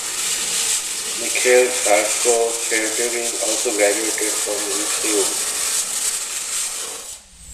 Mikhail Saltykov-Shchedrin also graduated from the Lyceum.